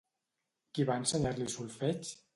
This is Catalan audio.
Qui va ensenyar-li solfeig?